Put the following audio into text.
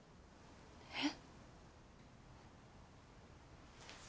えっ？